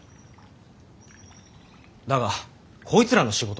だがこいつらの仕事が。